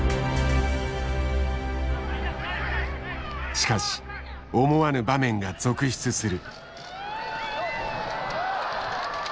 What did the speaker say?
しかし思わぬ場面が続出する。